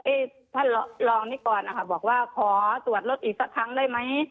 ท่านลองนี่ก่อนนะคะบอกว่าขอตรวจรถอีกสักครั้งได้ไหม